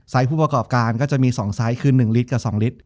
ผู้ประกอบการก็จะมี๒ไซส์คือ๑ลิตรกับ๒ลิตร